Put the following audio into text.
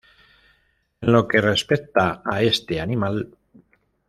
En lo que respecta a este animal.